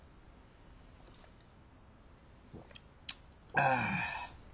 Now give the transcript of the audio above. ああ。